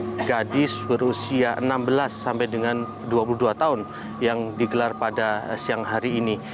jadi gadis berusia enam belas sampai dengan dua puluh dua tahun yang digelar pada siang hari ini